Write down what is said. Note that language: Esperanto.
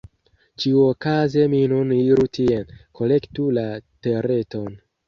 Ĉiuokaze mi nun iru tien, kolektu la Tereton…